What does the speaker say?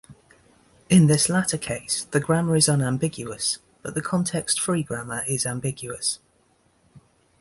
In this latter case the grammar is unambiguous, but the context-free grammar is ambiguous.